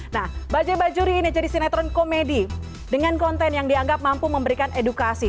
nah bajai bajuri ini jadi sinetron komedi dengan konten yang dianggap mampu memberikan edukasi